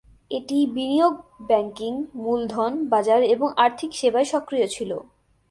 এটি বিনিয়োগ ব্যাংকিং, মূলধন বাজার এবং আর্থিক সেবায় সক্রিয় ছিল।